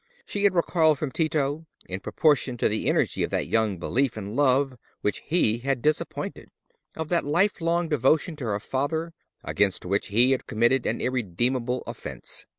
She had recoiled from Tito in proportion to the energy of that young belief and love which he had disappointed, of that lifelong devotion to her father against which he had committed an irredeemable offence.